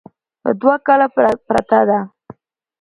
دا دوه کاله پرته ده.